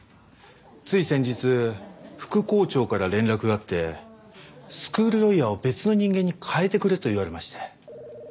つい先日副校長から連絡があって「スクールロイヤーを別の人間に代えてくれ」と言われまして。